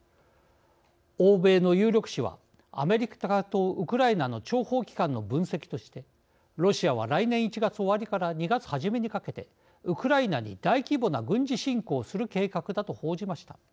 欧米の有力紙はアメリカとウクライナの諜報機関の分析としてロシアは来年１月終わりから２月初めにかけてウクライナに大規模な軍事侵攻する計画だと報じました。